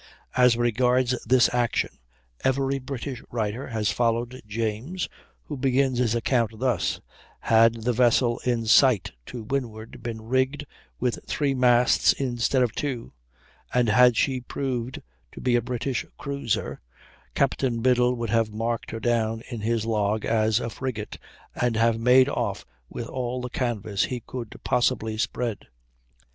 As regards this action, every British writer has followed James, who begins his account thus: "Had the vessel in sight to windward been rigged with three masts instead of two, and had she proved to be a British cruiser, Captain Biddle would have marked her down in his log as a 'frigate,' and have made off with all the canvas he could possibly spread.